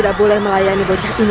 dan akan membuang rangan ama ibu